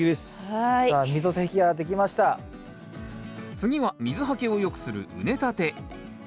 次は水はけをよくする畝たて。